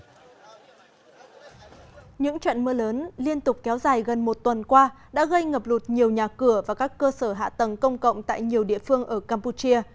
những trận mưa lớn liên tục kéo dài gần một tuần qua đã gây ngập lụt nhiều nhà cửa và các cơ sở hạ tầng công cộng tại nhiều địa phương ở campuchia